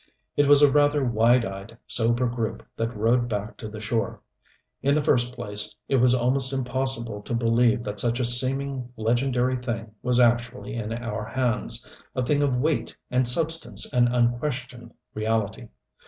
It was a rather wide eyed, sober group that rowed back to the shore. In the first place it was almost impossible to believe that such a seeming legendary thing was actually in our hands, a thing of weight and substance and unquestioned reality.